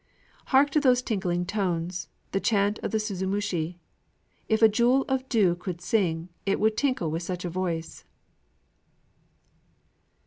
Hark to those tinkling tones, the chant of the suzumushi! If a jewel of dew could sing, it would tinkle with such a voice!